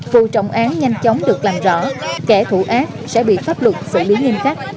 vụ trọng án nhanh chóng được làm rõ kẻ thù ác sẽ bị pháp luật xử lý nghiêm khắc